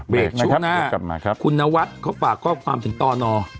เบรกชุดหน้าคุณนวัตรเขาฝากความถึงตอนนอ